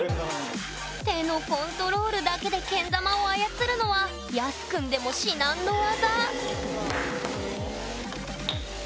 手のコントロールだけでけん玉を操るのはＹＡＳＵくんでも至難の業！